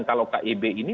kalau kib ini